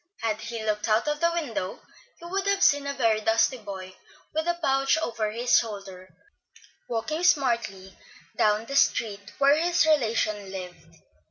Had he looked out of the window, he would have seen a very dusty boy, with a pouch over his shoulder, walking smartly down the street where his relation lived.